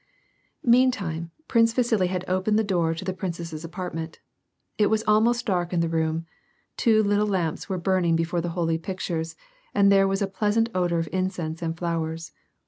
Meantime, Prince Vasili had opened the door into the prin cess's apartment. It was almost dark in the room; two little lamps were burning l)efore the holy pictures, and there was a pleasant f>dor of incense and flowers.